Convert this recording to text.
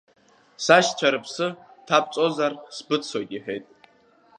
Сашьцәа рыԥсы ҭабҵозар, сбыццот, — иҳәеит.